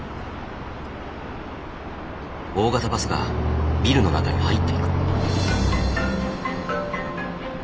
大型バスがビルの中に入っていく。